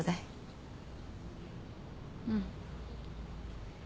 うん。